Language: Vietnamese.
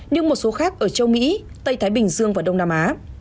nhưng một số khác ở châu mỹ tây thái bình dương và đông nam á